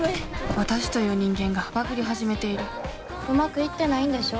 私という人間がバグり始めているうまくいってないんでしょ？